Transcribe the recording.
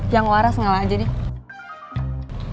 yang waras ngalah aja deh